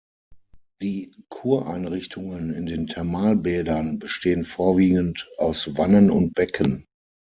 Die Kureinrichtungen in den Thermalbädern bestehen vorwiegend aus Wannen und Becken.